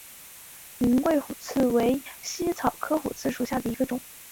云桂虎刺为茜草科虎刺属下的一个种。